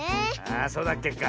ああそうだっけか。